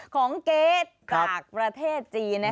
ของเก๊จากประเทศจีนนะคะ